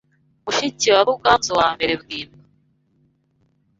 mushiki wa Ruganzu wa mbere Bwimba